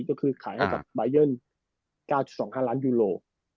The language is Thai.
ก็คือขายให้จากบายเยิ้ล๙๒๕ล้านยูโร